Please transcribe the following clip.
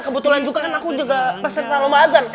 kebetulan juga kan aku juga peserta pembahasan